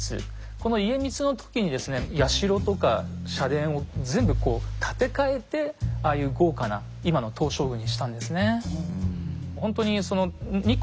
この家光の時にですね社とか社殿を全部こう建て替えてああいう豪華な今の東照宮にしたんですね。